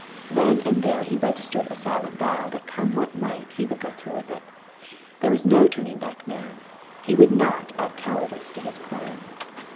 Then and there he registered a silent vow that come what might he would go through with it. There was no turning back now; he would not add cowardice to his crime.